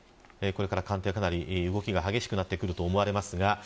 これから官邸は、かなり動きが激しくなると思います。